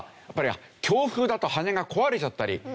やっぱり強風だと羽根が壊れちゃったり。